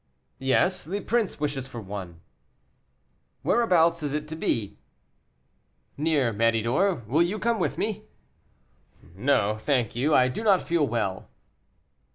"Yes, the prince wishes for one." "Whereabouts is it to be?" "Near Méridor. Will you come with me?" "No, thank you, I do not feel well."